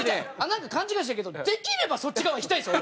なんか勘違いしてるけどできればそっち側行きたいですよ